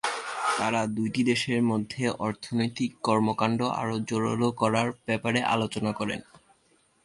তারা দুই দেশের মধ্যে অর্থনৈতিক কর্মকাণ্ড আরো জোরালো করার ব্যাপারে আলোচনা করেন।